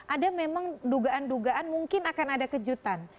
ada memang dugaan dugaan mungkin akan ada kejutan